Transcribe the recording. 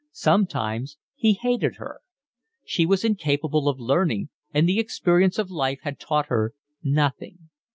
Sometimes he hated her. She was incapable of learning, and the experience of life had taught her nothing.